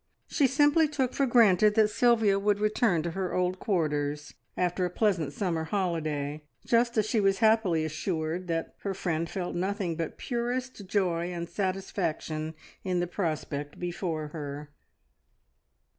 She simply took for granted that Sylvia would return to her old quarters, after a pleasant summer holiday, just as she was happily assured that her friend felt nothing but purest joy and satisfaction in the prospect before her.